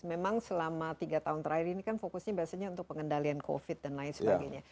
memang selama tiga tahun terakhir ini kan fokusnya biasanya untuk pengendalian covid dan lain sebagainya